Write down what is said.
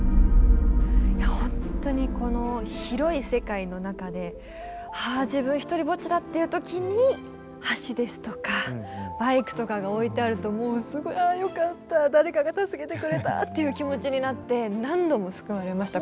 ほんとにこの広い世界の中で「あ自分ひとりぼっちだ」っていう時に橋ですとかバイクとかが置いてあるともうすごい「あよかった誰かが助けてくれた」っていう気持ちになって何度も救われました